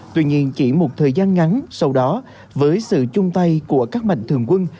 tuy nhiên chỉ một thời gian ngắn sau đó với sự chung tay của các mạnh thường quân